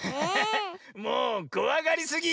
もうこわがりすぎ。